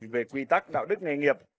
về quy tắc đạo đức nghề nghiệp